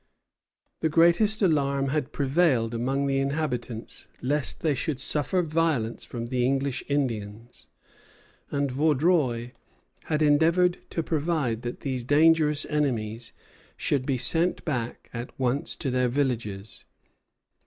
The greatest alarm had prevailed among the inhabitants lest they should suffer violence from the English Indians, and Vaudreuil had endeavored to provide that these dangerous enemies should be sent back at once to their villages.